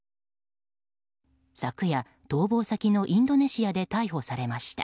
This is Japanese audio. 昨夜、逃亡先のインドネシアで逮捕されました。